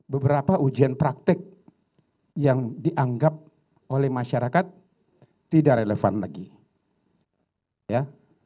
beberapa ujian praktik yang dianggap oleh masyarakat tidak relevan lagi ya